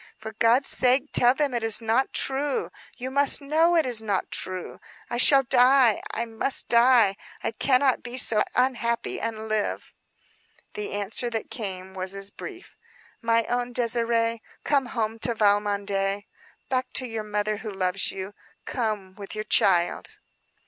For God's sake tell them it is not true. You must know it is not true. I shall die. I must die. I cannot be so unhappy, and live." The answer that came was brief: "My own Désirée: Come home to Valmondé; back to your mother who loves you. Come with your child."